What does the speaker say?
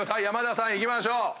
山田さんいきましょう。